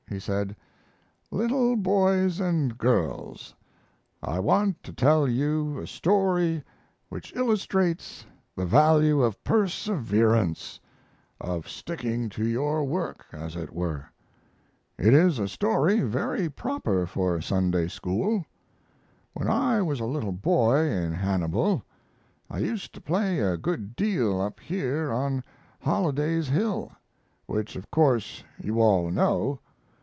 He said: Little boys and girls, I want to tell you a story which illustrates the value of perseverance of sticking to your work, as it were. It is a story very proper for a Sunday school. When I was a little boy in Hannibal I used to play a good deal up here on Holliday's Hill, which of course you all know.